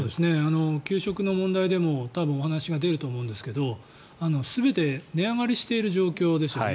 給食の問題でもお話が出ると思うんですけど全て値上がりしている状況ですよね。